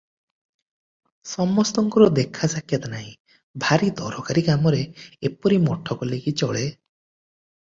ସମସ୍ତଙ୍କର ଦେଖାସାକ୍ଷାତ ନାହିଁ, ଭାରି ଦରକାରି କାମରେ ଏପରି ମଠ କଲେ କି ଚଳେ?"